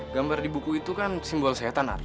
gambar di buku itu kan simbol sehatan ar